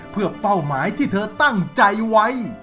เพื่อเป้าหมายที่เธอตั้งใจไว้